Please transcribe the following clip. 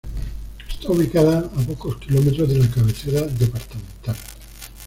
Está ubicada a pocos kilómetros de la cabecera departamental.